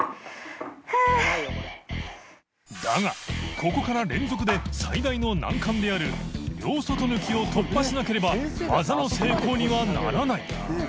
ここから連続で最大の難関である両外抜き」を突破しなければ擦寮砲ならない森川）